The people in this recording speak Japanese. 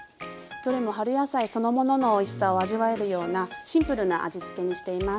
どれも春野菜そのもののおいしさを味わえるようなシンプルな味付けにしています。